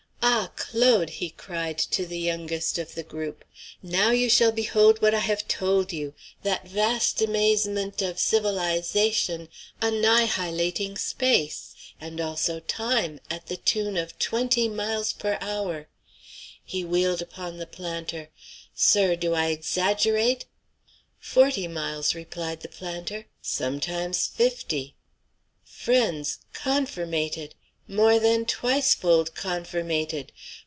Ah! Claude!" he cried to the youngest of the group, "now shall you behold what I have told you that vast am azement of civilize ation anni high lating space and also time at the tune of twenty miles the hour!" He wheeled upon the planter "Sir, do I exaggerate?" "Forty miles," replied the planter; "sometimes fifty." "Friends, confirmated! more than twicefold confirmated.